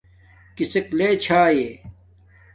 کسک لے چھاݵ